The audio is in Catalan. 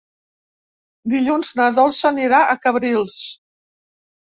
Dilluns na Dolça anirà a Cabrils.